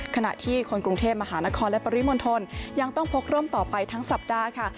ขณะที่คนกรุงเทพมหานครและปริมณฑลยังต้องพกร่มต่อไปทั้งสัปดาห์ค่ะ